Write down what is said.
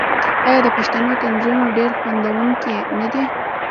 آیا د پښتنو طنزونه ډیر خندونکي نه دي؟